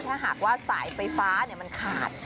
ถ้าหากว่าสายไฟฟ้ามันขาด